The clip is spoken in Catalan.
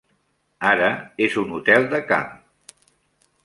Ara és una hotel de camp.